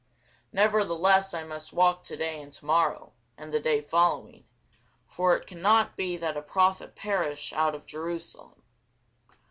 Nevertheless I must walk to day, and to morrow, and the day following: for it cannot be that a prophet perish out of Jerusalem.